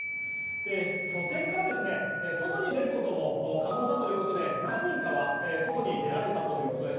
拠点から外に出ることも可能だということで何人かは外に出られたということです。